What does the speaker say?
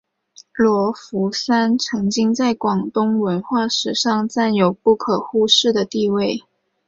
罗浮山曾经在广东文化史上占有不可忽视的地位。